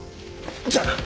じゃあな！